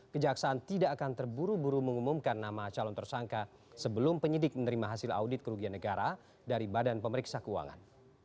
kejaksaan tidak akan terburu buru mengumumkan nama calon tersangka sebelum penyidik menerima hasil audit kerugian negara dari badan pemeriksa keuangan